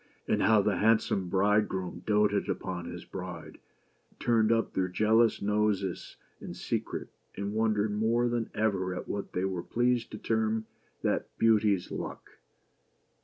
and how the handsome bridegroom doted upon his bride, turned up their jealous noses in secret, and wondered more than ever at what they were pleased to term " that Beauty's luck